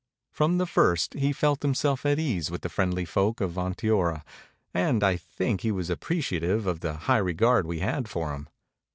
From the first he felt himself at ease with the friendly folk of Onteora; and I think he was appreciative of the high re gard we had for him.